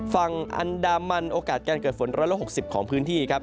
ฟังอันดามันโอกาสการเกิดฝนร้อยละหกสิบของพื้นที่ครับ